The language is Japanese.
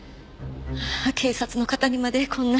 警察の方にまでこんな。